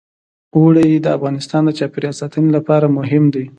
اوړي د افغانستان د چاپیریال ساتنې لپاره مهم دي.